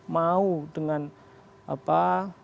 mau dengan apa